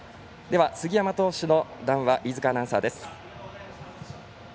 では杉山投手の談話飯塚アナウンサーです。